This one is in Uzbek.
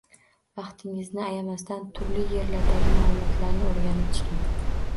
Vaqtingizni ayamasdan turli yerlardagi maʼlumotlarni oʻrganib chiqing.